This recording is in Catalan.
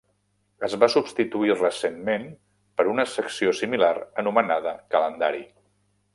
Es va substituir recentment per una secció similar anomenada Calendari.